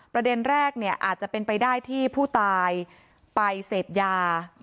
ประเด็นแรกเนี่ยอาจจะเป็นไปได้ที่ผู้ตายไปเสพยา